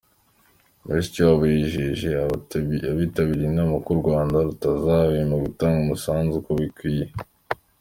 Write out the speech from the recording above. Mushikiwabo yijeje abitabiriye iyi nama ko u Rwanda rutazahwema gutanga umusanzu uko bikwiye.